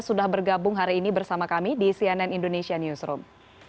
sudah bergabung hari ini bersama kami di cnn indonesia newsroom